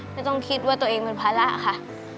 ไม่ต้องคิดว่าตัวเองเป็นภาระค่ะ